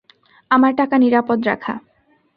আমার টাকা নিরাপদ রাখা।